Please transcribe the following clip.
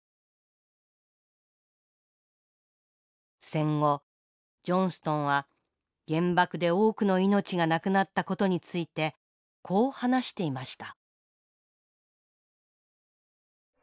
戦後ジョンストンは原爆で多くの命が亡くなったことについてこう話していました。